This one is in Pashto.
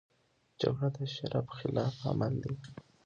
جګړه د شرف خلاف عمل دی